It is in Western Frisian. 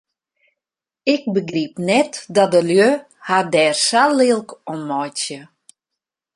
Ik begryp net dat de lju har dêr sa lilk om meitsje.